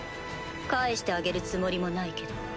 帰してあげるつもりもないけど。